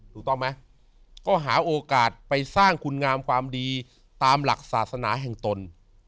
ถูกต้องไหมก็หาโอกาสไปสร้างคุณงามความดีตามหลักศาสนาแห่งตน